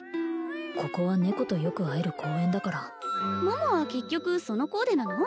ここはネコとよく会える公園だから桃は結局そのコーデなの？